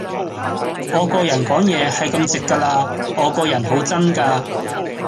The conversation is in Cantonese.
我個人講嘢係咁直㗎喇，我個人好真㗎